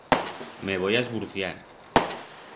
Me voi a esvurciar.